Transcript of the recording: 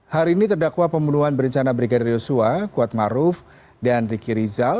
hari ini terdakwa pembunuhan berencana brigadir yosua kuatmaruf dan riki rizal